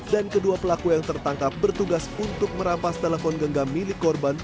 dan kedua pelaku yang tertangkap bertugas untuk merampas telepon genggam milik korban